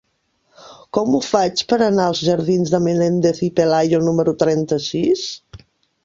Com ho faig per anar als jardins de Menéndez y Pelayo número trenta-sis?